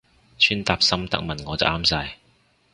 穿搭心得問我就啱晒